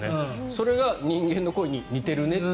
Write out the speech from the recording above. それが人間の声に似ていると。